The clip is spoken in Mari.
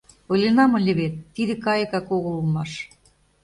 — Ойленам ыле вет – тиде кайыкак огыл улмаш!